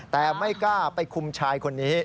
แต่ไม่กล้าไปคุมชายคนนี้